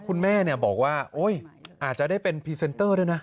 คุณแม่บอกว่าโอ๊ยอาจจะได้เป็นพรีเซนเตอร์ด้วยนะ